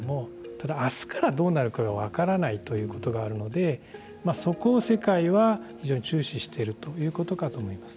ただあすからどうなるかが分からないということがあるのでそこを世界は非常に注視しているということかと思います。